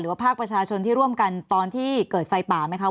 ภาคประชาชนที่ร่วมกันตอนที่เกิดไฟป่าไหมคะ